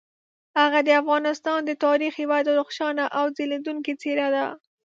هغه د افغانستان د تاریخ یوه درخشانه او ځلیدونکي څیره ده.